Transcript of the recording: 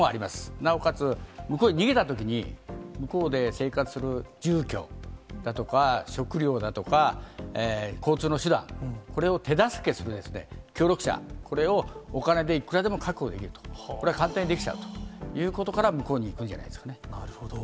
なおかつ、向こうに逃げたときに、向こうで生活する住居だとか食料だとか、交通の手段、これを手助けするやつですね、協力者、これをお金でいくらでも確保できると、これ、簡単にできちゃうということから、向こうに行くんじなるほど。